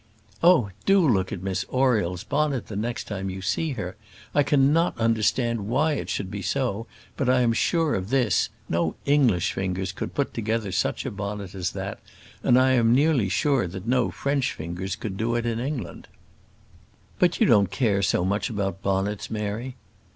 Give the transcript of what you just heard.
"Oh! do look at Miss Oriel's bonnet the next time you see her. I cannot understand why it should be so, but I am sure of this no English fingers could put together such a bonnet as that; and I am nearly sure that no French fingers could do it in England." "But you don't care so much about bonnets, Mary!"